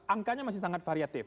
angkanya masih sangat variatif